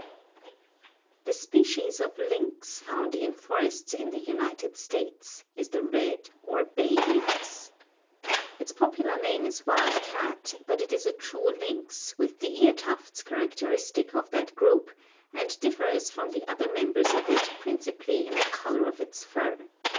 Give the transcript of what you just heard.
The species of lynx found in forests in the United States is the red or bay lynx. Its popular name is wild cat, but it is a true lynx, with the ear tufts characteristic of that group, and differs from the other members of it principally in the color of its fur.